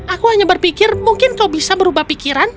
aku hanya berpikir mungkin kau bisa berubah pikiran